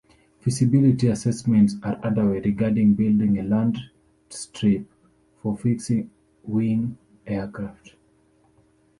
Feasibility assessments are underway regarding building a landing strip for fixed-wing aircraft.